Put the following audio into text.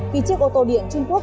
vì chiếc ô tô điện trung quốc